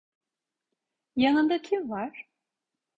Yanında kim var?